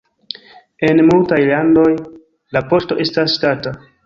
En multaj landoj la poŝto estas ŝtata.